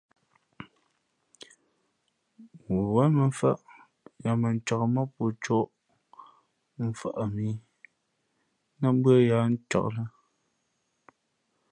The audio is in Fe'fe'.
Wěn mᾱmfάʼ yāā mᾱ ncāk mά pō cōʼ mfαʼ mǐ nά mbʉ̄ᾱ yáá ncāk lά.